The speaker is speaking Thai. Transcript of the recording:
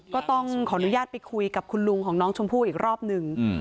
ก็ต้องขออนุญาตไปคุยกับคุณลุงของน้องชมพู่อีกรอบหนึ่ง